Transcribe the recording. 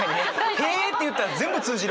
「へえ！」って言ったら全部通じるもんね。